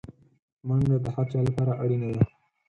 منډه د هر چا لپاره اړینه ده